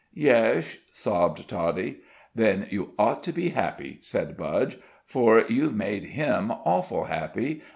"Yesh," sobbed Toddie. "Then you ought to be happy," said Budge, "for you've made him awful happy.